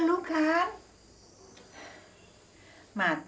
ini bukan maunya nyak